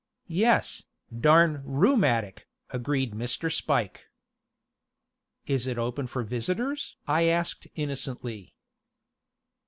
"Yes, darn rheumatic," agreed Mr. Spike. "Is it open for visitors?" I asked innocently.